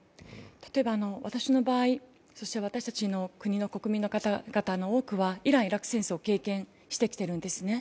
例えば、私の場合、私たちの国民の方々の多くはイラン・イラク戦争を経験してきているんですね。